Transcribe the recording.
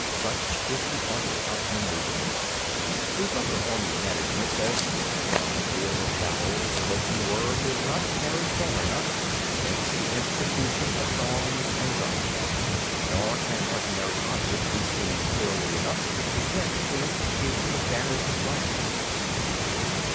Such is the art of manœuvering. 23. The Book of Army Management says: On the field of battle, the spoken word does not carry far enough: hence the institution of gongs and drums. Nor can ordinary objects be seen clearly enough: hence the institution of banners and flags.